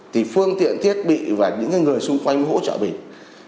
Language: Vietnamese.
thì phương tiện thiết bị và những người xung quanh hỗ trợ mình